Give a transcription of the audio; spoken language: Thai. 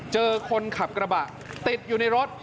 เจอคนขับกระบะติดอยู่ในรถ